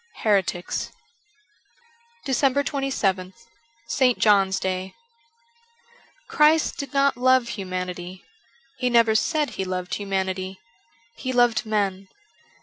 * Heretics.'* 401 DECEMBER 27th ST. JOHN'S DAY CHRIST did not love humanity, He never said He loved humanity ; He loved men.